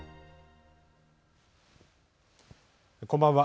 こんばんは。